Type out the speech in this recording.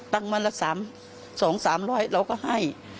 วันละ๒๓๐๐เราก็ให้